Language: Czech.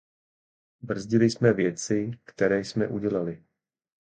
Brzdili jsme věci, které lidé udělali.